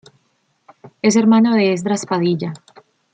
Es hermano de Esdras Padilla.